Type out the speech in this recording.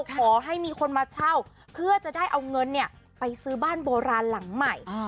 ขอให้มีคนมาเช่าเพื่อจะได้เอาเงินไปซื้อบ้านโบราณหลังใหม่